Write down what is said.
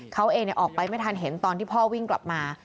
เขาเองออกไปไม่ทันเห็นตอนที่พ่อวิ่งกลับมา